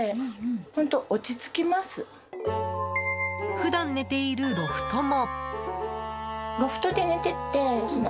普段寝ているロフトも。